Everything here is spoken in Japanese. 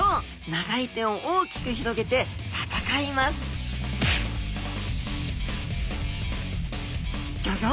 長い手を大きく広げて戦いますギョギョ！